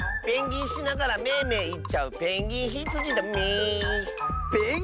ペンギンしながらメェメェいっちゃうペンギンひつじだメェ。